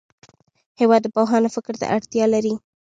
هېواد د پوهانو فکر ته اړتیا لري.